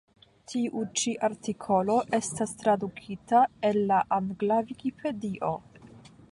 Tiu ĉi artikolo estas tradukita el la angla Vikipedio.